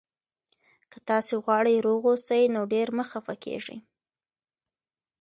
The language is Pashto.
که تاسي غواړئ روغ اوسئ، نو ډېر مه خفه کېږئ.